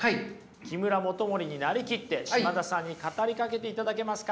木村素衛になりきって嶋田さんに語りかけていただけますか。